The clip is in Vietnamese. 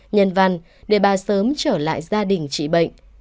nhân văn để bà sớm trở lại gia đình trị bệnh